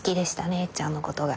えっちゃんのことが。